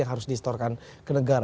yang harus di store kan ke negara